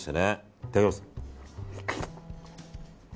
いただきます。